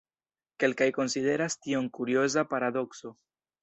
Kelkaj konsideras tion kurioza paradokso.